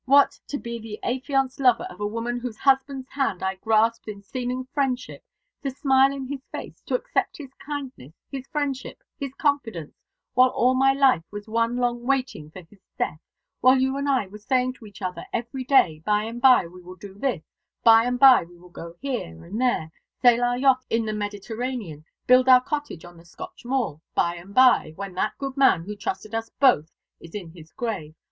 What! to be the affianced lover of a woman whose husband's hand I grasped in seeming friendship: to smile in his face, to accept his kindness, his friendship, his confidence, while all my life was one long waiting for his death, while you and I were saying to each other every day, by and by we will do this, by and by we will go here and there, sail our yacht in the Mediterranean, build our cottage on the Scotch moor, by and by, when that good man who trusted us both is in his grave!